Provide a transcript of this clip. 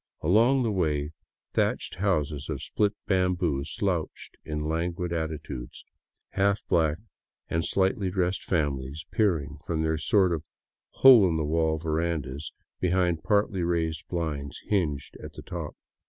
Along the way, thatched houses of split bamboo slouched in languid attitudes, half black and slightly dressed families peering from their sort of hole in the wall verandas behind partly raised blinds hinged at the top.